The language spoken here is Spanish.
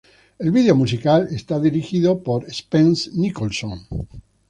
El vídeo musical es dirigido por Spence Nicholson.